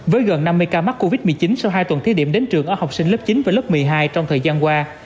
với gần năm mươi ca mắc covid một mươi chín sau hai tuần thí điểm đến trường ở học sinh lớp chín và lớp một mươi hai trong thời gian qua